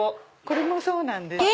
これもそうなんです。